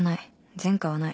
前科はない。